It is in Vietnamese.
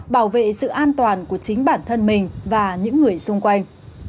bảo vệ sự an toàn của chính bản thân mình và những người xung quanh